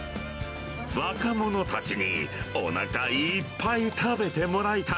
若者たちにお腹いっぱい食べてもらいたい。